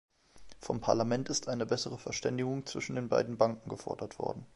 Vom Parlament ist eine bessere Verständigung zwischen den beiden Banken gefordert worden.